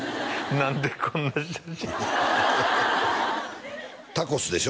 何でこんな写真タコスでしょ？